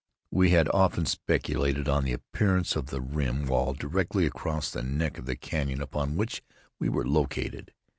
We had often speculated on the appearance of the rim wall directly across the neck of the canyon upon which we were located.